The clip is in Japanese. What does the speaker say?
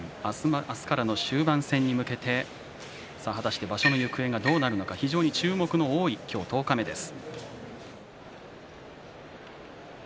明日からの終盤戦に向けて果たして場所の行方がどうなるのか注目の多い十日目です。